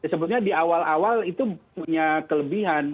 sebetulnya di awal awal itu punya kelebihan